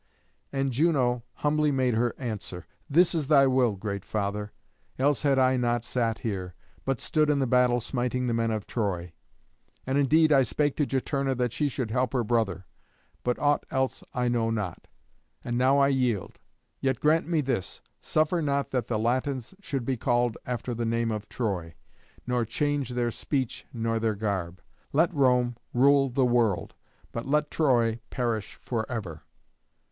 And Juno humbly made answer, "This is thy will, great Father; else had I not sat here, but stood in the battle smiting the men of Troy. And indeed I spake to Juturna that she should help her brother; but aught else I know not. And now I yield. Yet grant me this. Suffer not that the Latins should be called after the name of Troy, nor change their speech nor their garb. Let Rome rule the world, but let Troy perish for ever."